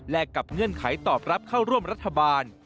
และกับเงื่อนไขตอบรับเข้าร่วมรัฐบาล